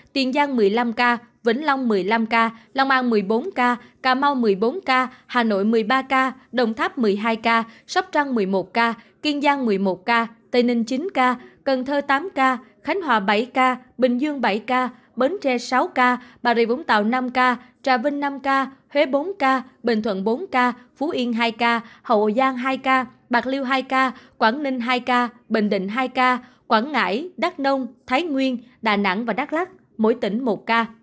tiền giang một mươi năm ca vĩnh long một mươi năm ca long an một mươi bốn ca cà mau một mươi bốn ca hà nội một mươi ba ca đồng tháp một mươi hai ca sóc trăng một mươi một ca kiên giang một mươi một ca tây ninh chín ca cần thơ tám ca khánh hòa bảy ca bình dương bảy ca bến tre sáu ca bà rịa vũng tàu năm ca trà vinh năm ca huế bốn ca bình thuận bốn ca phú yên hai ca hậu giang hai ca bạc liêu hai ca quảng ninh hai ca bình định hai ca quảng ngãi đắk nông thái nguyên đà nẵng và đắk lắk